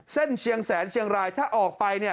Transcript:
เส้นเชียงแสนเชียงรายถ้าออกไป